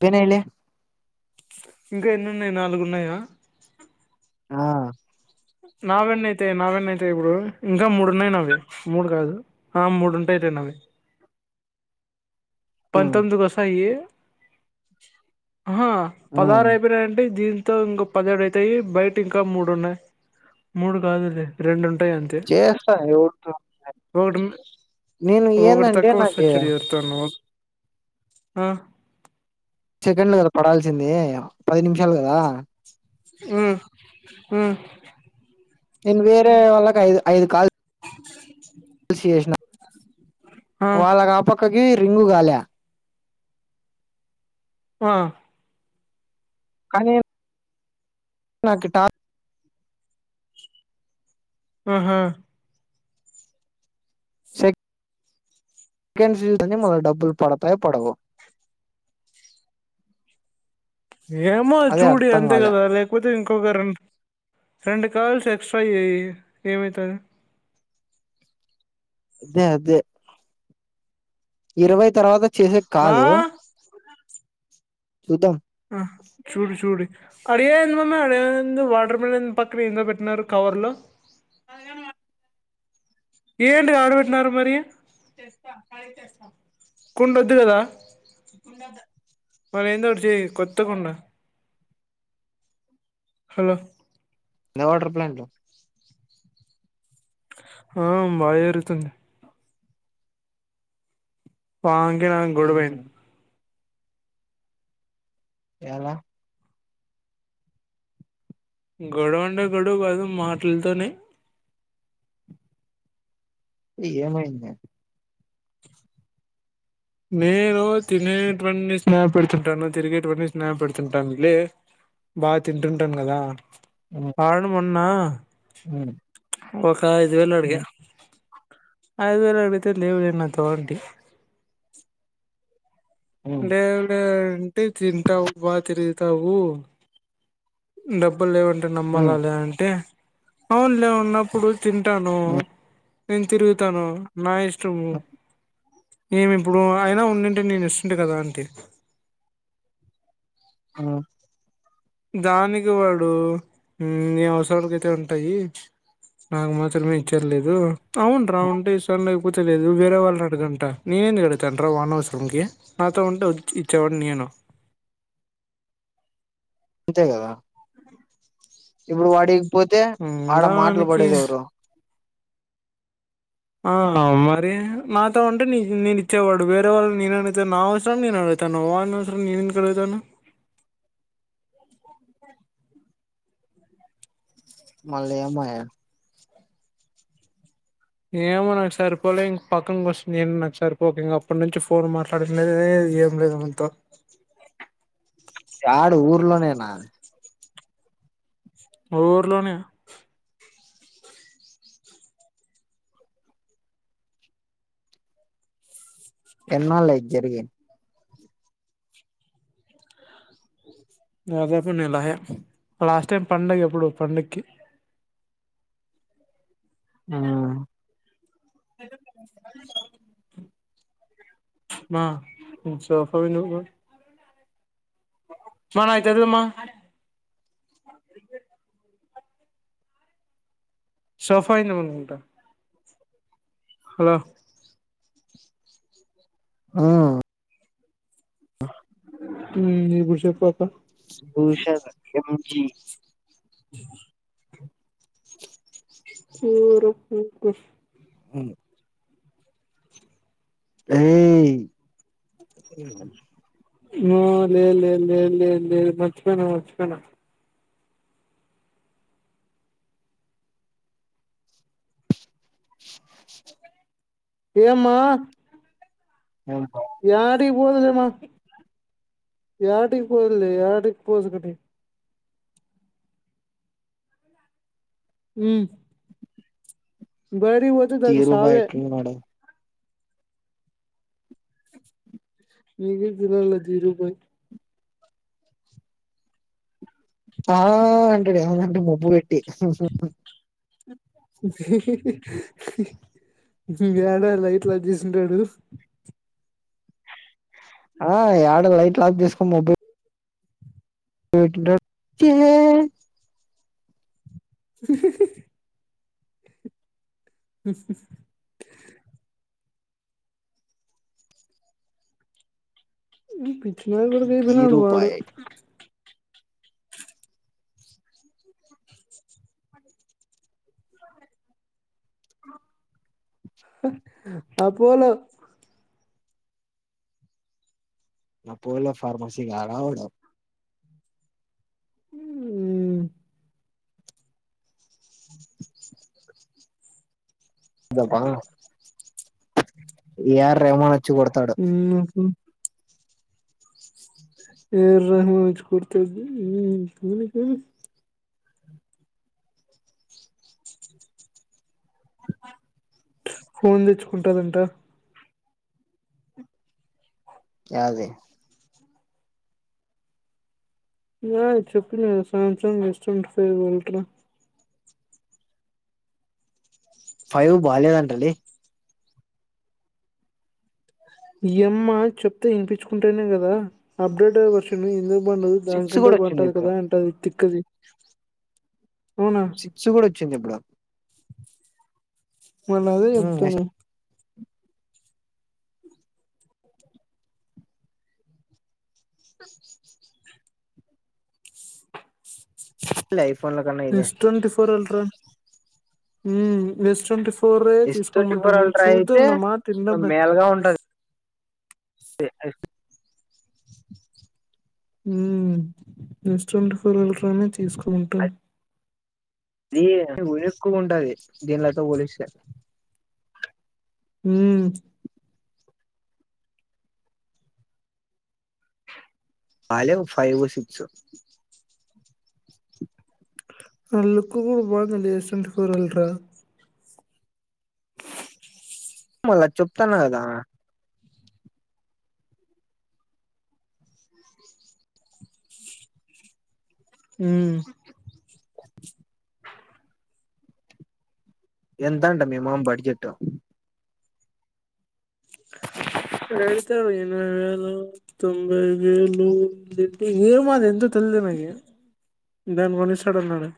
పోనిలే. న్నయి? నాలుగున్నాయా? ఆ నా వెన్నయితయి, నా వెన్నయితయి ఇప్పుడూ. ఇంకా మూడున్నయి నవి, ఆ మూడుంటయిలే నావి. హ్మ్ పంతొమ్మిదికి ఒస్తయీ. [inaudible] అహ హ్మ్ పదహారు అయిపోయినయంటే, దీంతో ఇంకొ పదిహేడు అయితయీ. బయటింకా మూడు ఉన్నయి. మూడు కాదు రె రెండు. టయి అంతే. చేస్తా ఎవరితో ఒకట్, నేను ఒకటి ఏందంటే తక్కువొస్తది నాకి చుడు ఎవర్తోనోక్ ఆ చెకండ్లు కద పడాల్సింది? పది నిమిషాలు కదా? ఉమ్, ఉమ్ నేన్ వేరే వాళ్ళక్ ఐదు, ఐదు కాల్ ల్స్ చేశిన. ఆ వాళ్ళకాపక్కక్ ఇవి రింగుగాలెఆ? ఆ కనీ నాక్ టార్ ఆహా ఉంటేనేమో డబ్బులు పడతాయో పడవో? ఏమో అదే చూడు అర్థం యంతే కాలే కదా? లేకపోతే ఇంకొక రన్ రెండు కాల్స్ ఎక్సట్రా చేయీ, ఏమైతది? దె, అదే. ఇరవై తరవాత చ్ మా చేసేక్కాదు. చూద్దాం. ఆ చూడు చూడురి, అడయెన్ది మామ ఆడేమయింది? వాటర్ మిలన్ పక్కన ఏందో పెట్టినారు కవర్ లో? ఏంది ఆడ పెట్టినారు మరి? కుండోద్దు కదా? మరి ఏందోఒకటి చేయి. కొత్త కుండ. హలో నా వాటర్ ప్లాంట్ లో. ఆ, బా జరుగుతుంది. [unintelligible] తే వాన్ గోడవైంది. హ్మ్ ఎలా? గొడవ అంటే గొడవ కాదు, మాటల్తోనే. ఈఏమైంది నేను తినేటవీ స్నాప్ పెడుతుంటాను తిరిగేటువన్నీ స్నాప్ పెడుతుంటాను లే బాగ తింటుంటాను కదా ఆను మున్ నా ము [inaudible] ఐదువెలడిగా ఐదు వేలు అడిగితే లేవె నా తో అండి [inaudible] హ్మ్ లేద్ లెద్ ఉంటే తింటావు బా తిరుగుతావు నబ్ [inaudible] డబ్బులు లేవంటే నమ్మాలి హ్మ్ లె అంటే అవును లె వున్నప్పుడు తింటాను హ్మ్ నేను తిరుగుతాను నా ఇష్ చెపు హ్మ్ ఏమి ఇప్పుడు అయినా ఉంసుంటి నేను ఇస్తుంటే కదా అంటి ఆ దానికి వాడు నీ అవసరకైతే ఉంటాయి నాకు మాత్రమే ఇచ్చేది లేదు అవున్రా ఉంటే ఇస్తా లే లేదు వేరే వాళ్ళు అడగంట నేనెందుకు అడుగుతాను రా వానీ అవసరంకి నాతో ఉంటే ఇచ్చేవాడిని నేను అంతే కదా [inaudible] ఇప్పుడు వాడి పోతే ఉమ్, ఆడ మాటలు దానికి పడేది ఎవరు ఆ మరి నాతో ఊంటే నేను ఇచ్చేవాడు వేరే వాళ్ళని నేను అడుగుతాను నా అవసరనీకి నేను అడుగుతాను వాని అవసరం నేను ఎందుకు అడుగుతాను మల్లెమాయే ఏమో నాకు సరిపోలే ఇంక పక్కక వస్తుంది ఏం నాకు సరిపోక ఇంక అప్పటి నుంచి ఫోన్ మాట్లాడిది ఏం లేదు మనతో యడ ఊర్లోనేనా ఊర్లోనే ఎన్నాళ్ళయి జరిగి దాదాపు నెలయే లాస్ట్ టైం పండుగ ఎప్పుడు పండుగకి ఆ [inaudible] మా సోఫా వి నువ్వు మా నకు తెలియద్ మ సోఫా యింద పడుకుంట హలో ఆ అ [inaudible] ఇ పుడు చెపు భూషణ్ ఎం జీ తూరుపు పుష్ ఔను ఏయ్ మా లేదు లేదు లేదు లేదు లేదు మర్చిపోయిన మర్చిపోయిన ఏం మా యం యాడికీ పోదులే మా యాటికీ పోదులే యాడికి పోదు కటి ఉమ్ బయటికి పోతే దానికి తీరు బా సావే ఎట్లున్నాడు ఇది గుర్రాల [unintelligible] ఆ అంటాడు ఏమన్నా అంటే బొబ్బ పెట్టి [unintelligible] యాడలా ఇట్లా చూసుంటాడు ఆ ఏడ లైట్ లాఫ్ చేసుకోని మొబై [unintelligible] ఛే వీ పి [unintelligible] కు ఐపొయినాడు ధీరు వాడు బాయ్ అపోలో అపోలో ఫార్మసీ గాడ ఒకడు మ్మ్ అ దపా యారు ప్రేమా చ్చి కొడతాడు ఉమ్ ఈ రోజూ వచ్చి కొడతాది [inaudible] ఫోన్ తెచ్చుకుంటదంట యాది లేదు చెప్పలేదు శాంసంగ్ యస్ ట్వంటీ ఫోర్ కొంటాడు ఫైవ్ బాలేదంట‌లే ఈ యమ్మ చెప్తే ఇనిపించుకుంటేనే కదా అప్డేటెడ్ వర్షను ఇంక [unintelligible] సిక్స్ దానికంటే కూడా వచ్చింది బావుంటాది ఇప్పుడు కదా అంటది తి క్కది సిక్స్ కూడ చ్చింది ఇప్పుడు మళ్ళ అదే హ్మ్. చెప్తాను next life S twenty four ultra um S twenty four పూరగయే ఎస్ ట్వంటీ ఫోర్ తీసుకోమంటాంమే అల్ట్రా చూద్దాం అయితే నా మాట ఇనవే స అ ఉమ్మ్ ఎస్ ట్వంటీ ఫోర్ అల్ట్రానే తీసుకుంటాం. ఇది ఒలుక్కు ఉంటది దీనిలతో పోలిస్తే ఉమ్మ్ అదే ఫైవ్ సిక్స్ ఆ లుక్ కూడా బాగుందండి S M T four ultra మళ్ళ చెప్తన్న కదా ఉమ్మ్ ఎంత అంట మీ మామ బడ్జెట్టు వెళ్తే ఓ ఎనబై వేలు, తొంభై వేలు [unintelligible] ఏమో అది ఎంతో తెల్దు నాకి దాన్ని కొనిస్తాడు అన్నాడే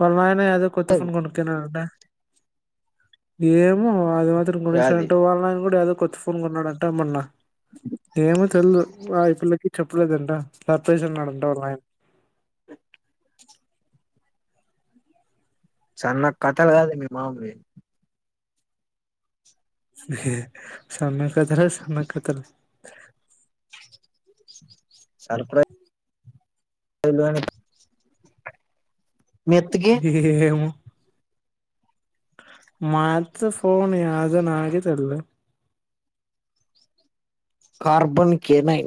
వాళ్ళ నాయన అన్నయ్య ఏదో కొత్త ఫోన్ కొనుకున్నాడట. ఏమో అది మాత్రం యాది కొనిస్తాఅంటావ్ వాళ్ల నాయన కూడా ఏదో కొత్త ఫోన్ కొన్నాడట మొన్న ఏమో తెల్దు ఆ ఈ పిల్లకి చెప్పలేదంట సర్ప్రైజ్ అన్నాడంట వాళ్ళ నాయన సన్న కథలు కాదు మీ మామవి సామే కథలు సామే కథలు సాల్కుడ వెళ్ళాని గేహ్ ము మాత్ర ఫోన్ యాదనాగిదల కార్బన్ కేనై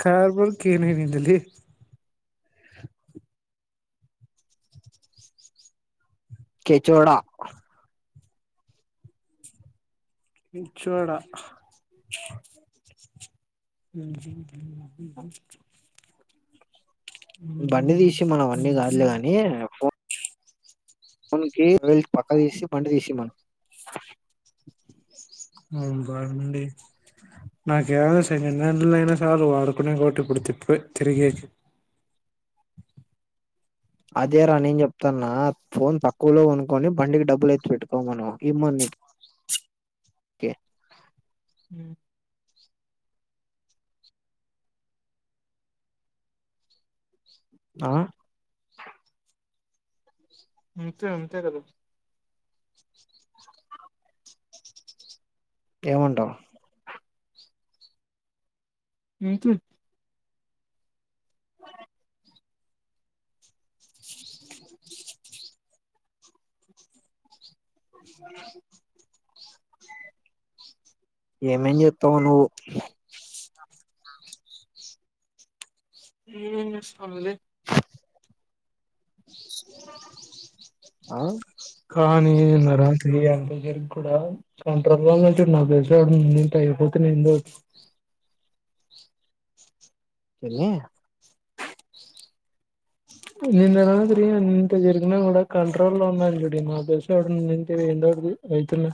కార్బన్ కేనిందలీ కేచోడా ఇచ్చోడ బండి తీసి మనవన్నీ కాదులే గాని ఫో మన్ కీ రైలు పక్కక్ తీసి బండి తీసిమను ఉమ్మ్ బాగుండి నాకు ఏడ సెకండ్ హ్యాండిల్ ఐన సాలు వాడుకునే కోటి ఇప్పుడు తిప్పుకో తిరిగేకి అదేరా నేను చెప్తాన్నా ఫోన్ తక్కువలో కొనుకొని బండికి డబ్బులు ఎత్తి పెట్టుకోమను ఇమ్మను నీకే ఉం ఆ అంతే అంతే కదా ఏమంటావ్ ఇంతే [unintelligible] ఏమేం చేత్తావో నువ్వు నేనేం జేస్తాను లే ఆ కానీ నిన్న రాత్రి అంతజరిగి కూడా కంట్రోల్లోనుంచి నాకు తెలిసి ఎవడైనా ఉండి ఉంటే అయిపోతిన్ ఏందొకటి. తిన్య నిన్న రాత్రి ఇంత జరిగినా కూడా కంట్రోల్లో లో ఉన్నారు జూడి మాక్ తెల్సినోడు ఉన్నింటే ఏందోకటిది అయితున్నే,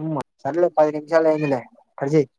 ఉమ్మ సర్లే పది నిమిషాలు అయిందిలే కడ్జేయ్